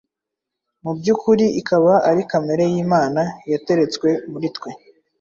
mu by’ukuri ikaba ari kamere y’Imana yateretswe muri twe